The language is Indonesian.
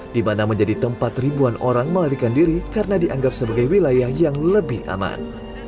di mana menjadi tempat ribuan orang melarikan diri karena dianggap sebagai wilayah yang lebih aman